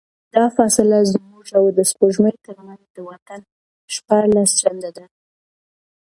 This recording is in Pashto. دا فاصله زموږ او د سپوږمۍ ترمنځ د واټن شپاړس چنده ده.